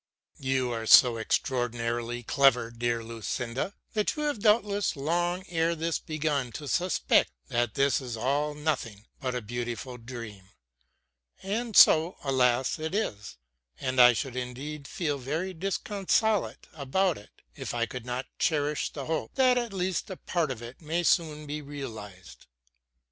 You are so extraordinarily clever, dearest Lucinda, that you have doubtless long ere this begun to suspect that this is all nothing but a beautiful dream. And so, alas, it is; and I should indeed feel very disconsolate about it if I could not cherish the hope that at least a part of it may soon be realized.